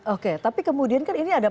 oke tapi kemudian kan ini ada